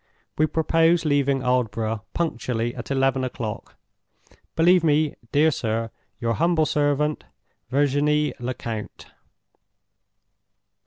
We propose leaving Aldborough punctually at eleven o'clock. "Believe me, dear sir, "your humble servant, "VIRGINIE LECOUNT."